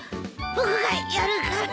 僕がやるから。